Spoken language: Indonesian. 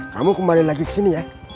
kamu kembali lagi kesini ya